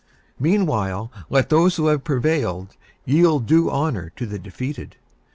Meanwhile let those who have prevailed yield due honor to the defeated.